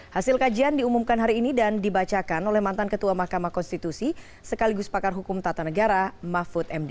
hasil kajian diumumkan hari ini dan dibacakan oleh mantan ketua mahkamah konstitusi sekaligus pakar hukum tata negara mahfud md